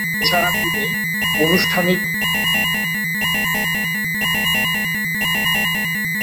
এছাড়া তিনি আনুষ্ঠানিকভাবে বাংলা ভাষার অনুবাদের কাজেও যুক্ত ছিলেন।